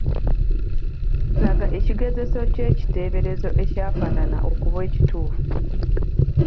Laga ekigezeso ky’ekiteeberezo ekyafaanana okuba ekituufu.